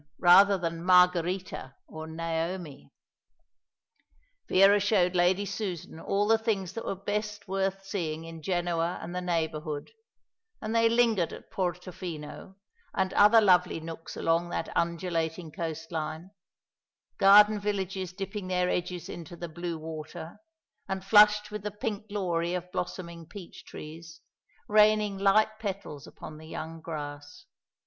rather than Margherita or Naomi. Vera showed Lady Susan all the things that were best worth seeing in Genoa and the neighbourhood, and they lingered at Porto Fino, and other lovely nooks along that undulating coastline; garden villages dipping their edges into the blue water, and flushed with the pink glory of blossoming peach trees, raining light petals upon the young grass.